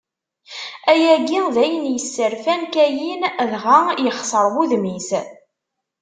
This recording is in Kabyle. Ayagi d ayen yesserfan Kayin, dɣa yexseṛ wudem-is.